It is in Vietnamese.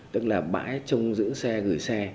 tức là bãi trông dưỡng xe gửi xe